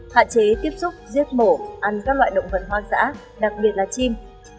hạn chế tiếp xúc giết mổ ăn các loại động vật hoang dã đặc biệt là chim